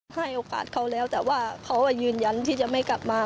ให้โอกาสเขาแล้วแต่ว่าเขายืนยันที่จะไม่กลับมา